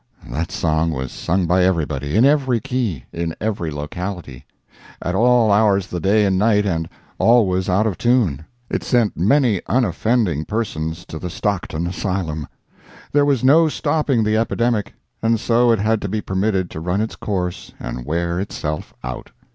That song was sung by everybody, in every key, in every locality, at all hours of the day and night, and always out of tune. It sent many unoffending persons to the Stockton asylum. There was no stopping the epidemic, and so it had to be permitted to run its course and wear itself out.